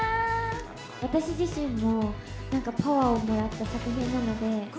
私自身も、なんかパワーをもらった作品なので。